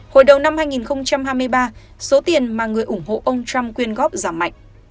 hồi đầu năm hai nghìn hai mươi ba số tiền mà người ủng hộ ông trump quyên góp giảm mạnh